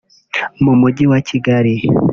mu mujyi wa Kigali